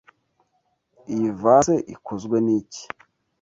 Iyi vase ikozwe niki?